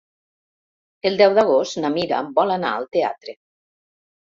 El deu d'agost na Mira vol anar al teatre.